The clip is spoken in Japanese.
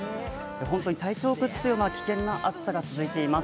ホントに体調を崩すような危険な暑さが続いています。